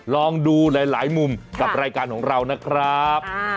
ลองดูหลายมุมกับรายการของเรานะครับ